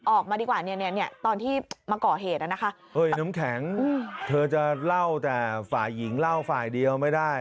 ออกมาดีกว่าเนี่ยตอนที่มาก่อเหตุนะคะเฮ้ยน้ำแข็งเธอจะเล่าแต่ฝ่ายหญิงเล่าฝ่ายเดียวไม่ได้